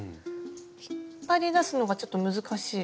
引っ張り出すのがちょっと難しい。